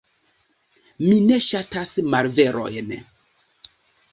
Mi ne ŝatas malverojn.